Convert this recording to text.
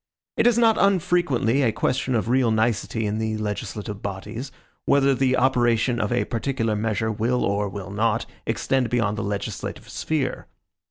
It is not unfrequently a question of real nicety in legislative bodies, whether the operation of a particular measure will, or will not, extend beyond the legislative sphere.